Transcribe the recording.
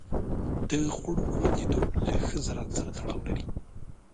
د خوړو خوندیتوب له ښه زراعت سره تړاو لري.